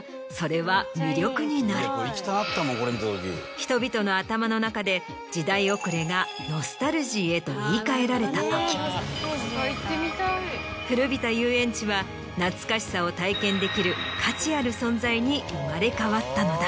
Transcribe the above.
人々の頭の中で時代遅れがノスタルジーへと言い換えられたとき古びた遊園地は懐かしさを体験できる価値ある存在に生まれ変わったのだ。